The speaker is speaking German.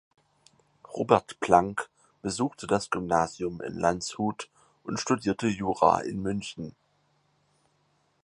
Robert Plank besuchte das Gymnasium in Landshut und studierte Jura in München.